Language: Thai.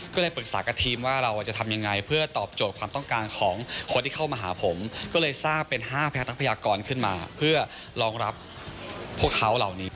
ก็เลยปรึกษากับทีมว่าเราจะทำยังไงเพื่อตอบโจทย์ความต้องการของคนที่เข้ามาหาผมก็เลยสร้างเป็น๕พนักพยากรขึ้นมาเพื่อรองรับพวกเขาเหล่านี้